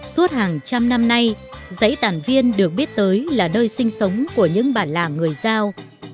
suốt hàng trăm năm nay giấy tàn viên được biết tới là nơi sinh sống của những bản làng người giao